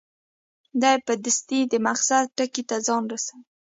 دی په دستي د مقصد ټکي ته ځان رسوي.